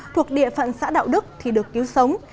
thuộc địa phận xã đạo đức thì được cứu sống